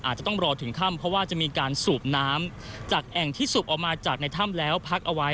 อาจจะต้องรอถึงค่ำเพราะว่าจะมีการสูบน้ำจากแอ่งที่สูบออกมาจากในถ้ำแล้วพักเอาไว้